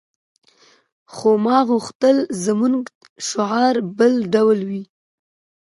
خو ما غوښتل زموږ شعار بل ډول وي